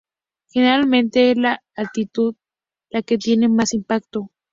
Generalmente, es la altitud la que tiene más impacto.